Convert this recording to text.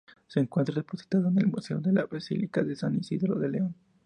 Se encuentra depositada en el museo de la basílica de San Isidoro de León.